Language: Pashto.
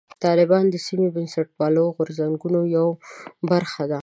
طالبان د سیمې بنسټپالو غورځنګونو یوه برخه ده.